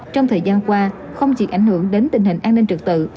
trong thời gian qua không chỉ ảnh hưởng đến tình hình an ninh trực tự